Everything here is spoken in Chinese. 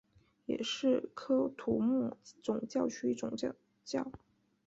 也是喀土穆总教区总主教。